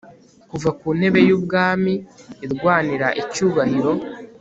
kuva ku ntebe y'ubwami irwanira icyubahiro